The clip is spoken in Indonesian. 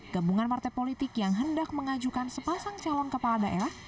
gabungan partai politik yang hendak mengajukan sepasang calon kepala daerah